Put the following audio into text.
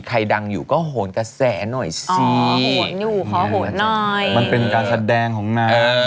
ใครดังอยู่ก็โหนกระแสหน่อยสิโหนอยู่ขอโหดหน่อยมันเป็นการแสดงของนาง